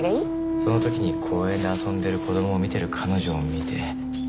その時に公園で遊んでいる子供を見てる彼女を見て。